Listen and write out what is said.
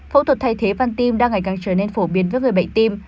phẫu thuật thay thế văn tim đang ngày càng trở nên phổ biến với người bệnh tim